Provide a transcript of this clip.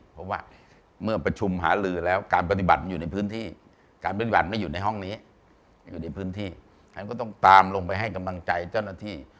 เพราะว่าเมื่อประชุมหาลือแล้วการปฏิบัติมันอยู่ในพื้นที่การบินหั่นไม่อยู่ในห้องนี้อยู่ในพื้นที่งั้นก็ต้องตามลงไปให้กำลังใจเจ้าหน้าที่